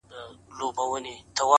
راته شعرونه ښكاري;